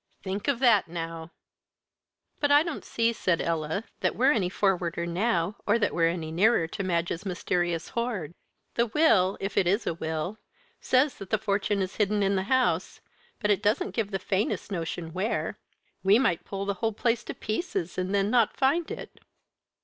"Think of that, now!" "But I don't see," said Ella, "that we're any forwarder now, or that we're any nearer to Madge's mysterious hoard. The will if it is a will says that the fortune is hidden in the house, but it doesn't give the faintest notion where. We might pull the whole place to pieces and then not find it."